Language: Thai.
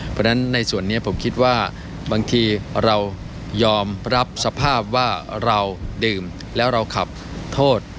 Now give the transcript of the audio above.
เพราะฉะนั้นในส่วนนี้ผมคิดว่าบางทีเรายอมรับสภาพว่าเราดื่มแล้วเราขับโทษ